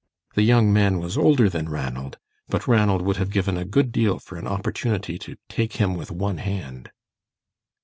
The young man was older than Ranald, but Ranald would have given a good deal for an opportunity to "take him with one hand."